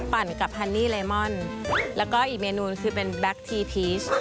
ปั่นกับฮันนี่เลมอนแล้วก็อีกเมนูคือเป็นแบ็คทีพีช